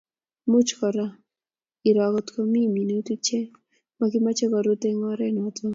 Much kora iroo kotko mii minutik che makimache korutu eng' oret notok